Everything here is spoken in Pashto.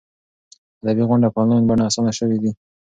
ادبي غونډې په انلاین بڼه اسانه شوي دي.